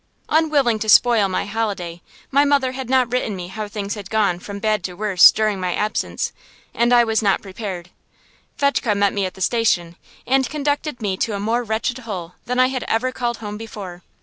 Unwilling to spoil my holiday, my mother had not written me how things had gone from bad to worse during my absence, and I was not prepared. Fetchke met me at the station, and conducted me to a more wretched hole than I had ever called home before.